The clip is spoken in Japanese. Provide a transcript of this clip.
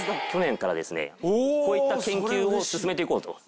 去年からですねこういった研究を進めて行こうと。